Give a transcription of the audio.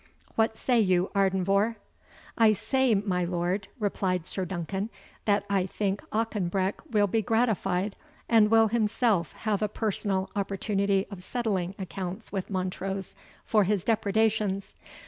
What say you, Ardenvohr?" "I say, my lord," replied Sir Duncan, "that I think Auchenbreck will be gratified, and will himself have a personal opportunity of settling accounts with Montrose for his depredations.